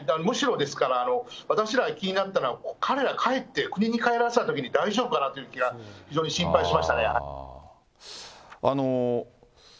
むしろ、ですから、私らが気になったのは、彼ら、帰って、国に帰らせたときに、大丈夫かなという気が、非常に心配しましたね。